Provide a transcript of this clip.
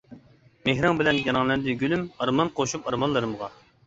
مېھرىڭ بىلەن رەڭلەندى گۈلۈم، ئارمان قوشۇپ ئارمانلىرىمغا.